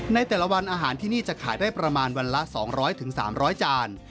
ในแต่ละวันอาหารที่นี่จะขายได้ประมาณวันละ๒๐๐๓๐๐จาน